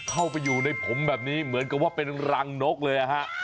เหมือนกับว่าเป็นรังนกเลยอ่ะฮะ